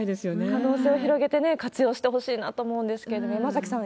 可能性を広げて活用してほしいなと思うんですけれども、山崎